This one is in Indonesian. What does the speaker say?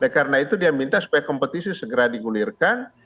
karena itu dia minta supaya kompetisi segera digulirkan